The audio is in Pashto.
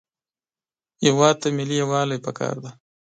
هېواد ته ملي یووالی پکار دی